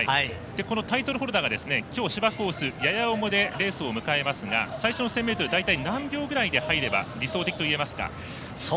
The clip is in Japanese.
タイトルホルダーが今日、芝コースやや重でレースを迎えますが最初の１０００ｍ大体、何秒ぐらいで入れば理想的といえますか？